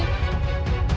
ừ ừ ừ